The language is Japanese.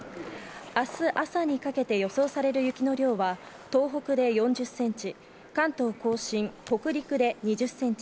明日朝にかけて予想される雪の量は東北で４０センチ、関東甲信、北陸で２０センチ